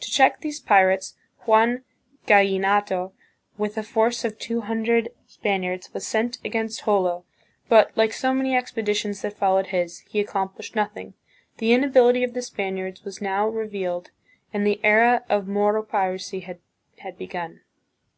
To check these pirates, Juan Gallinato, with a force of two hundred Spaniards, was sent against Jolo, but, like so many expeditions that followed his, he ac complished nothing. The inability of the Spaniards was now revealed and the era of Moro piracy had be gun.